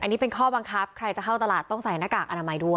อันนี้เป็นข้อบังคับใครจะเข้าตลาดต้องใส่หน้ากากอนามัยด้วย